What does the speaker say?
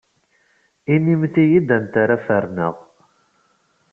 Inimt-iyi-d anta ara ferneɣ.